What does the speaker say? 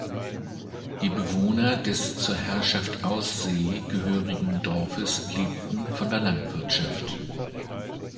Die Bewohner des zur Herrschaft Aussee gehörigen Dorfes lebten von der Landwirtschaft.